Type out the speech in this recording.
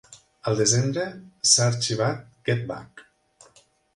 Al desembre s"ha arxivat "Get Back".